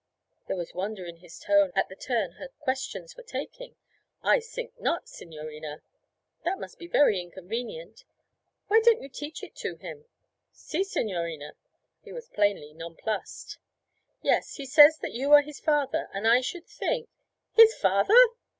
There was wonder in his tone at the turn her questions were taking. 'I sink not, signorina.' 'That must be very inconvenient. Why don't you teach it to him?' 'Si, signorina.' He was plainly nonplussed. 'Yes, he says that you are his father, and I should think ' 'His father?'